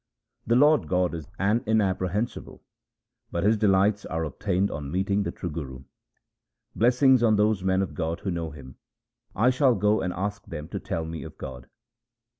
The Lord God is inaccessible and inapprehensible ; but His delights are obtained on meeting the true Guru. Blessings on those men of God who know Him. I shall go and ask them to tell me of God.